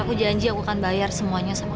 aku janji aku akan bayar semuanya sama